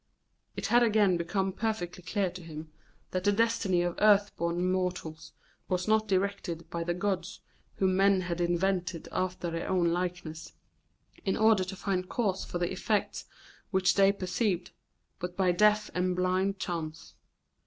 It had again become perfectly clear to him that the destiny of earth born mortals was not directed by the gods whom men had invented after their own likeness, in order to find causes for the effects which they perceived, but by deaf and blind chance.